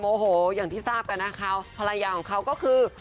โอ้โหอย่างที่ทราบกันนะคะภรรยาของเขาก็คือ